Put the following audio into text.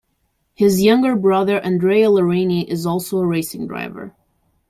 His younger brother Andrea Larini is also a racing driver.